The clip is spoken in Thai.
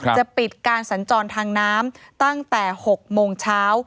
จะปิดการสัญจรทางน้ำตั้งแต่๖โมงเช้า